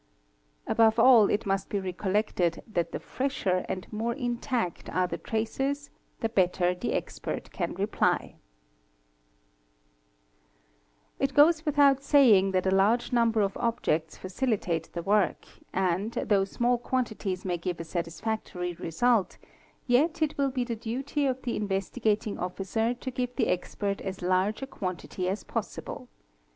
Above all it must be recollected that the fresher and more intact are the traces the better the expert can reply °°). 190 THE MICROSCOPIST It goes without saying that a large number of objects facilitate the work, and, though small quantities may give a satisfactory result yet it will be the duty of the Investigating Officer to give the expert as large a quantity as possible.